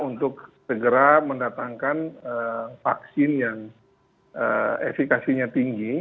untuk segera mendatangkan vaksin yang efekasinya tinggi